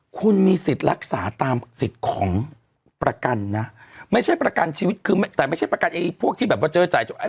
คุณมีสิทธิ์รักษาตามสิทธิ์ของประกันนะไม่ใช่ประกันชีวิตคือแต่ไม่ใช่ประกันไอ้พวกที่แบบว่าเจอจ่าย